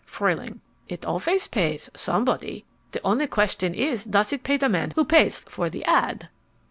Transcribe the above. FRUEHLING It always pays somebody. The only question is, does it pay the man who pays for the ad?